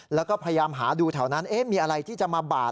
แล้วก็พยายามหาดูแถวนั้นมีอะไรที่จะมาบาด